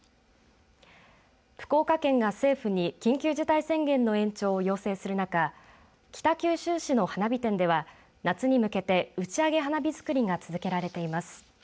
福岡県が政府に緊急事態宣言の延長を要請する中北九州市の花火店では夏に向けて打ち上げ花火づくりが続けられています。